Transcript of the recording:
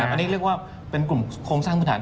อันนี้เรียกว่าเป็นกลุ่มโครงสร้างพื้นฐาน